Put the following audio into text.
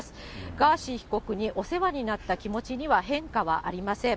ガーシー被告にお世話になった気持ちには変化はありません。